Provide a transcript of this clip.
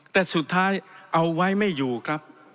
แต่สุดท้ายเอาไว้ไม่อยู่ครับ